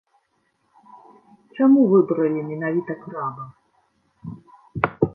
Чаму выбралі менавіта краба?